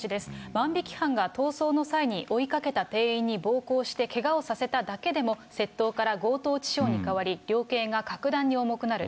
万引き犯が逃走の際に追いかけた店員に暴行してけがをさせただけでも、窃盗から強盗致傷に変わり、量刑が格段に重くなる。